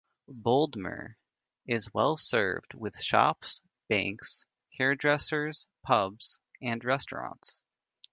Boldmere is well-served with shops, banks, hair dressers, pubs and restaurants.